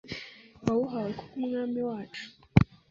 wawuhawe ku bw’Umwami wacu